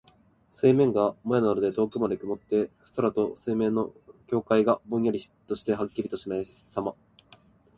水面がもやなどで遠くまで煙って、空と水面の境界がぼんやりしてはっきりとしないさま。